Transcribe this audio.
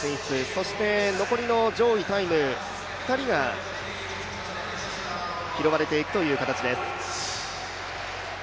そして残りの上位タイム２人が拾われていくという形です。